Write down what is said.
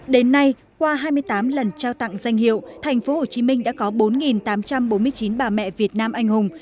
đến nay qua hai mươi tám lần trao tặng danh hiệu tp hcm đã có bốn tám trăm bốn mươi chín bà mẹ việt nam anh hùng